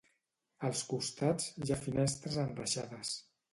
Als costats, hi ha finestres enreixades.